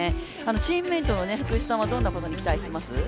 チームメートと福士さんはどんなことに期待されますか？